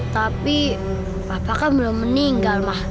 tapi bapak kan belum meninggal ma